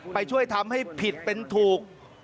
ไปช่วยทำให้ผิดเป็นถูก